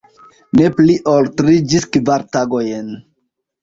Ne pli ol tri ĝis kvar tagojn.